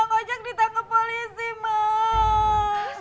mak ojak ditangkap polisi mak